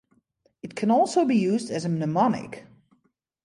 It can also be used as a mnemonic.